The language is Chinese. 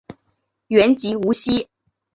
原籍无锡。